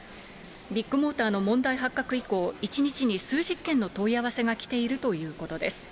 ビッグモーターの問題発覚以降、１日に数十件の問い合わせが来ているということです。